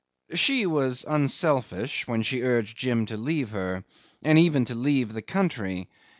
'She was unselfish when she urged Jim to leave her, and even to leave the country.